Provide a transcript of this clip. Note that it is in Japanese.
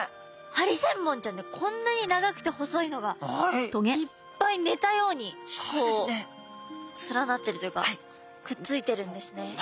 ハリセンボンちゃんってこんなに長くて細いのがいっぱいねたように連なってるというかくっついてるんですね。